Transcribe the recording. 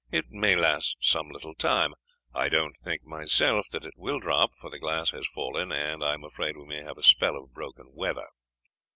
It may last some little time. I don't think myself that it will drop, for the glass has fallen, and I am afraid we may have a spell of broken weather."